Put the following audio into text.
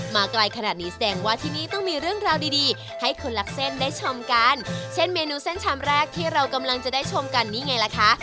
มาไกลขนาดนี้แสดงว่าที่นี่ต้องมีเรื่องราวดีดีให้คนรักเส้นได้ชมกันเช่นเมนูเส้นชามแรกที่เรากำลังจะได้ชมกันนี่ไงล่ะคะ